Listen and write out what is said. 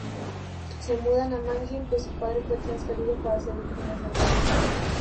Se mudan a Mannheim pues su padre fue transferido para servir como soldado.